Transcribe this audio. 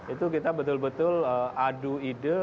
itu kita betul betul adu ide